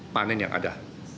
panen yang ada